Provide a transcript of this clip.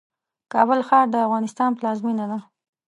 کابل ښار د افغانستان پلازمېنه ده